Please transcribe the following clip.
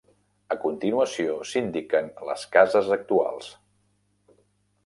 A continuació s'indiquen les cases actuals.